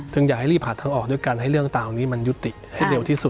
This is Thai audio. อยากให้รีบหาทางออกด้วยกันให้เรื่องต่างนี้มันยุติให้เร็วที่สุด